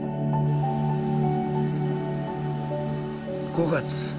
５月。